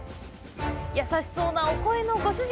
優しそうなお声のご主人。